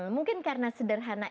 mungkin karena sederhana